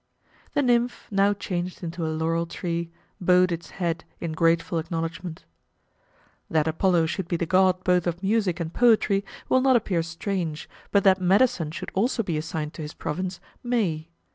The nymph, now changed into a Laurel tree, bowed its head in grateful acknowledgment. That Apollo should be the god both of music and poetry will not appear strange, but that medicine should also be assigned to his province, may.